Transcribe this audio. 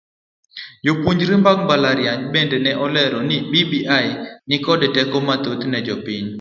Jopuonjre mag mbalariany bende ne olero ni bbi nikod ber mathoth ne jopiny.